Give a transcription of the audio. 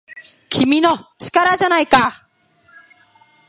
「君の！力じゃないか!!」